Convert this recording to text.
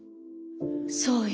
そうよ。